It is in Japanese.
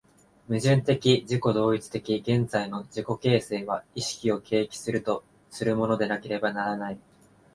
矛盾的自己同一的現在の自己形成は意識を契機とするものでなければならない。